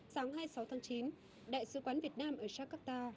sáng hai mươi sáu tháng chín đại sứ quán việt nam ở jakarta